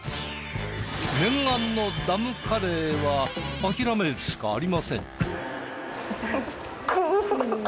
念願のダムカレーは諦めるしかありません。